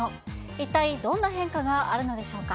一体どんな変化があるのでしょうか。